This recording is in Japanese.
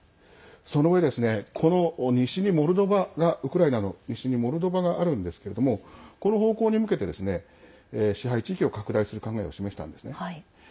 そのうえ、このウクライナの西にモルドバがあるんですけれどもこの方向に向けて支配地域を拡大する考えを示したんですね。